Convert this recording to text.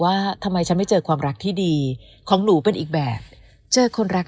ว่าทำไมฉันไม่เจอความรักที่ดีของหนูเป็นอีกแบบเจอคนรัก